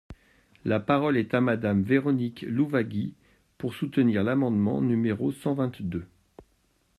La parole est à Madame Véronique Louwagie, pour soutenir l’amendement numéro cent vingt-deux.